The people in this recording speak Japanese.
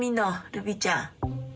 ルビーちゃん。